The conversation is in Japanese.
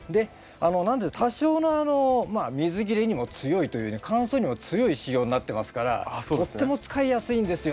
なので多少の水切れにも強いというね乾燥にも強い仕様になってますからとっても使いやすいんですよ。